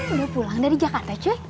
udah pulang dari jakarta cek